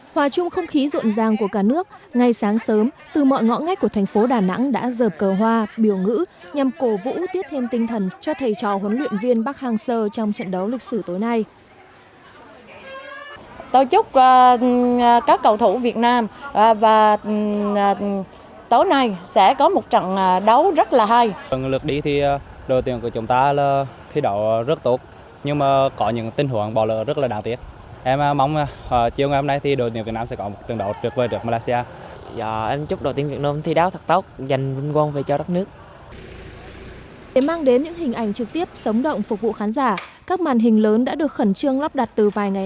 hòa chung không khí ruộng ràng của cả nước ngay sáng sớm từ mọi ngõ ngách của thành phố đà nẵng đã dợp cờ hoa biểu ngữ nhằm cổ vũ tiết thêm tinh thần cho thầy trò huấn luyện viên bắc hàng sơ trong trận đấu lịch sử tối nay